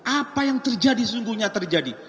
apa yang terjadi sesungguhnya terjadi